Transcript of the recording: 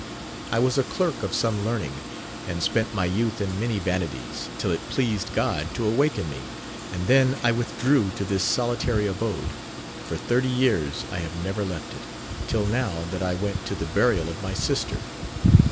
I was a clerk of some learning, and spent my youth in many vanities, till it pleased God to awaken me, and then I withdrew to this soli tary abode : for thirty years I have never left it, till now that I went to the burial of my sister.